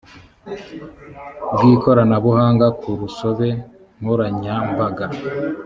bw ikoranabuhanga ku rusobe nkoranyambaga